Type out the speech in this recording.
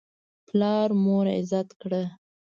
پلار مور عزت کړه.